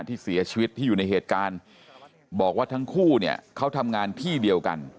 ที่เสียชีวิตที่อยู่ในเหตุการณ์บอกว่าทั้งคู่เนี่ยเขาทำงานที่เดียวกัน